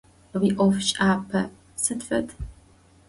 Уиӏофшӏапӏэ сыд фэд?